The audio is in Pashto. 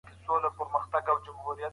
خلګو په جرئت سره وويل چي دوی عدالت خوښوي.